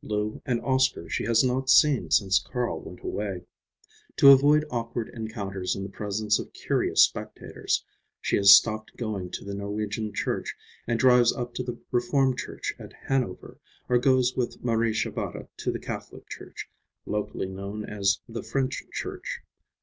Lou and Oscar she has not seen since Carl went away. To avoid awkward encounters in the presence of curious spectators, she has stopped going to the Norwegian Church and drives up to the Reform Church at Hanover, or goes with Marie Shabata to the Catholic Church, locally known as "the French Church."